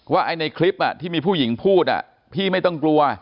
ไอ้ในคลิปที่มีผู้หญิงพูดพี่ไม่ต้องกลัว